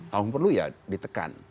tahun perlu ya ditekan